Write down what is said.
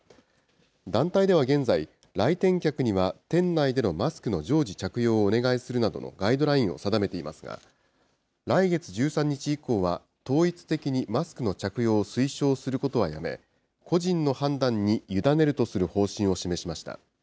団体では現在、来店客には店内でのマスクの常時着用をお願いするなどのガイドラインを定めていますが、来月１３日以降は、統一的にマスクの着用を推奨することはやめ、個人の判断に委ねるとする方針を示しました。